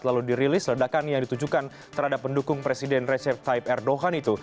lalu dirilis ledakan yang ditujukan terhadap pendukung presiden resep taype erdogan itu